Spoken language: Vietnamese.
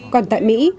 còn tại mỹ